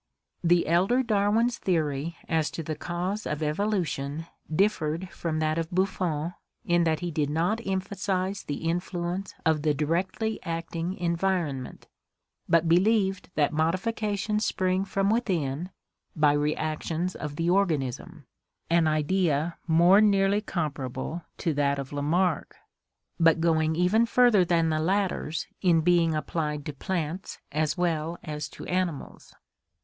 The elder Darwin's theory as to the cause of evolution differed from that of Buffon in that he did not emphasize the influence of the directly acting environment, but believed that modifications spring from within by reactions of the organism, an idea more nearly comparable to that of Lamarck, but going even further than the latter's in being applied to plants as well as to animals.